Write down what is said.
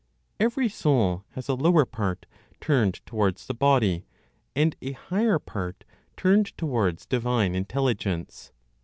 Every soul has a · lower part turned towards the body, and a higher part turned towards divine Intelligence.